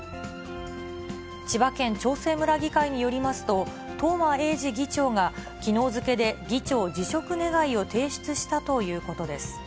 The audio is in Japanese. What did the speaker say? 千葉県長生村議会によりますと、東間永次議長がきのう付けで議長辞職願を提出したということです。